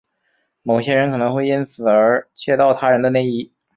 某些人可能会因此而窃盗他人的内衣。